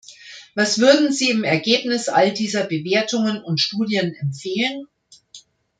Was würden Sie im Ergebnis all dieser Bewertungen und Studien empfehlen?